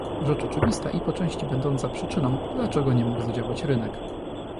Rzecz oczywista i po części będąca przyczyną, dlaczego nie mógł zadziałać rynek